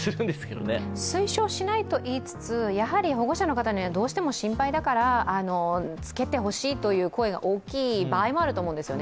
推奨しないと言いつつ、やはり保護者の方にはどうしても心配だから着けてほしいという声が大きい場合もあると思うんですよね。